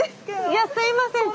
いやすいません